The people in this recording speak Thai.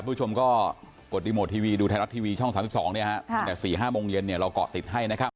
ผู้ชมก็กดรีโมททีวีดูไทยรัฐทีวีช่อง๓๒ตั้งแต่๔๕โมงเย็นเนี่ยเราเกาะติดให้นะครับ